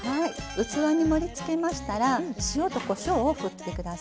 器に盛りつけましたら塩とこしょうを振ってください。